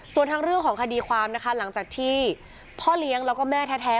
ส่วนทางเรื่องของคดีความนะคะหลังจากที่พ่อเลี้ยงแล้วก็แม่แท้